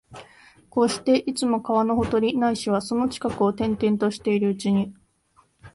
こうして、いつも川のほとり、ないしはその近くを転々としているうちに、